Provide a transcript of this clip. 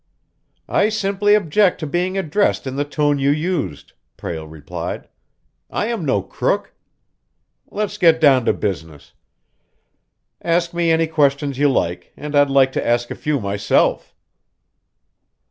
"I simply object to being addressed in the tone you used," Prale replied. "I am no crook. Let's get down to business. Ask me any questions you like, and I'd like to ask a few myself."